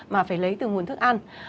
mà phải lấy từ nguồn thức ăn